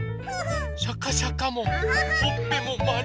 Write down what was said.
シャカシャカもほっぺもまる。